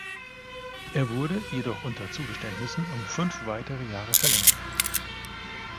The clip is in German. Er wurde jedoch unter Zugeständnissen um fünf weitere Jahre verlängert.